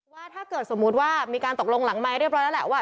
ถ้าเกิดสมมุติว่ามีการตกลงหลังไม้เรียบร้อยแล้วแหละว่า